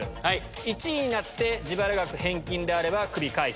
１位になって自腹額返金であればクビ回避。